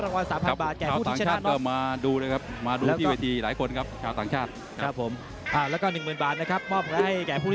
ยกยนทรัพย์รูปร่างสูงยาว